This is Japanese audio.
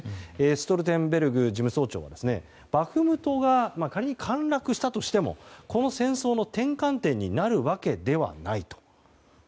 ストルテンベルグ事務総長はバフムトが仮に陥落したとしてもこの戦争の転換点になるわけではないと。